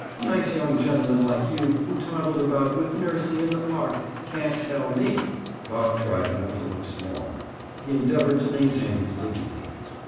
Nice young gentlemen like you who toddled about with nursie in the park can't tell me." Bob tried not to look small; he endeavored to maintain his dignity.